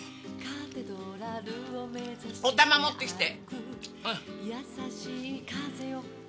おたま持ってきて！